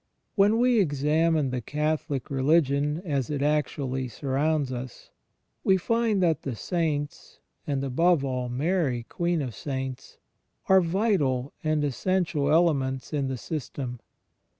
When we examine the Catholic religion as it actually surroimds us, we £aid that the Saints, and, above all, Mary, Queen of Saints, are vital and essential 76 CHRIST IN THE EXTERIOR 77 elements in the system.